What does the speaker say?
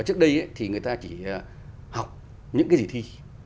trước đây thì người ta chỉ học những cái gì thi